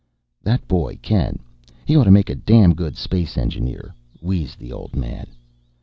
"That boy Ken he ought to make a damn good space engineer," wheezed the old man.